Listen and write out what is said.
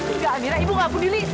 enggak amira ibu gak peduli